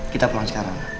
kita pulang sekarang